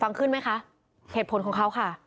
ฟังขึ้นไหมคะเหตุผลของเขาค่ะ